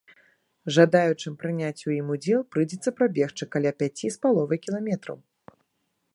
Жадаючым прыняць у ім удзел прыйдзецца прабегчы каля пяці з паловай кіламетраў.